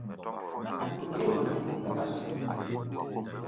Paturu dé gɔnta mɛ́ ba zoya.